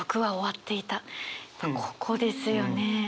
ここですよね。